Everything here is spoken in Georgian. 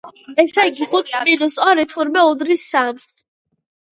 ესე იგი, ხუთს მინუს ორი, თურმე უდრის სამს.